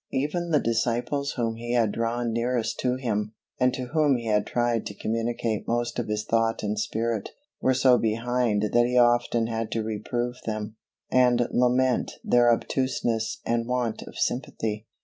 Even the disciples whom He had drawn nearest to Him, and to whom He had tried to communicate most of His thought and spirit, were so behind that He often had to reprove them, and lament their obtuseness and want of sympathy.